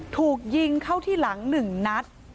ถูกยิงเข้าที่หลัง๑นัด